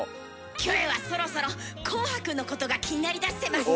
キョエはそろそろ「紅白」のことが気になりだしてます。